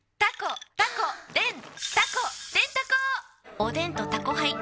おでんと「タコハイ」ん！